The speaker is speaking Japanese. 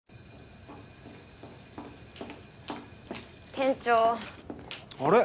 店長あれ？